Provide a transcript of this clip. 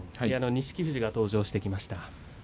錦富士が登場してきました。